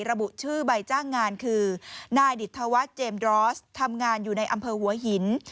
ระบุชื่อใบจ้างงานคือนายดิตธวัฒน์เจมส์ดรอสทำงานอยู่ในอำเภอหัวหิน